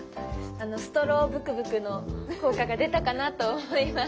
あのストローぶくぶくの効果が出たかなと思います。